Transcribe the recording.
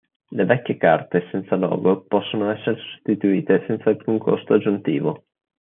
Le vecchie carte senza logo possono essere sostituite senza alcun costo aggiuntivo.